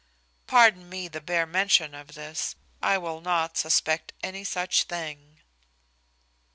Pardon me the bare mention of this; I will not suspect any such thing."